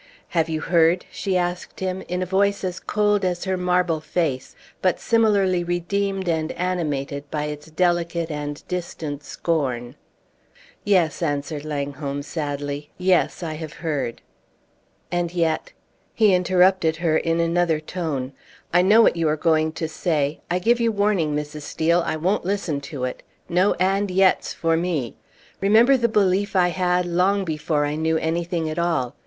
"Have you heard?" she asked him, in a voice as cold as her marble face, but similarly redeemed and animated by its delicate and distant scorn. "Yes," answered Langholm, sadly; "yes, I have heard." "And yet " He interrupted her in another tone. "I know what you are going to say! I give you warning, Mrs. Steel, I won't listen to it. No 'and yets' for me; remember the belief I had, long before I knew anything at all!